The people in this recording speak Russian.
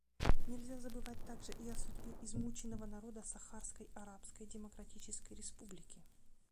Нельзя забывать также и о судьбе измученного народа Сахарской Арабской Демократической Республики.